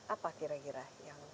apa kira kira yang